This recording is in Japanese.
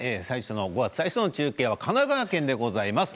５月最初の中継は神奈川県です。